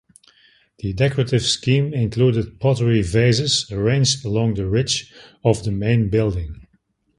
The decorative scheme included pottery vases arranged along the ridge of the main building.